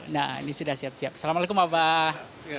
nah ini sudah siap siap assalamualaikum abah